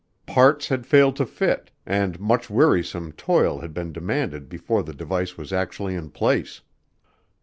Parts had failed to fit, and much wearisome toil had been demanded before the device was actually in place.